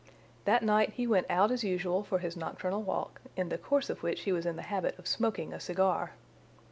That night he went out as usual for his nocturnal walk, in the course of which he was in the habit of smoking a cigar.